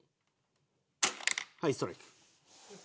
はいストライク。